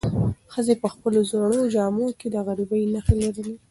ښځې په خپلو زړو جامو کې د غریبۍ نښې لرلې.